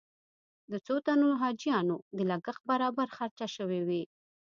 د څو تنو حاجیانو د لګښت برابر خرچه شوې وي.